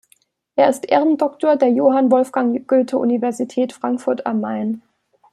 Er ist Ehrendoktor der Johann Wolfgang Goethe-Universität Frankfurt am Main.